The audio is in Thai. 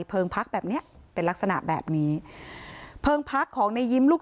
พักแบบเนี้ยเป็นลักษณะแบบนี้เพลิงพักของในยิ้มลูก